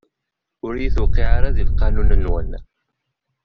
Ur iyi-tuqiɛ ara di lqanun-nwen.